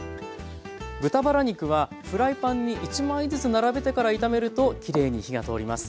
豚バラ肉はフライパンに１枚ずつ並べてから炒めるときれいに火が通ります。